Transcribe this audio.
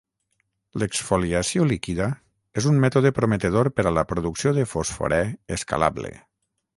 L'exfoliació líquida és un mètode prometedor per a la producció de fosforè escalable.